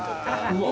うわ。